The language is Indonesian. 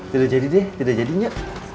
tidak jadi deh tidak jadinya